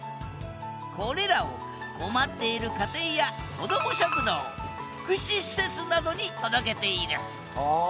これらを困っている家庭や子ども食堂福祉施設などに届けているああ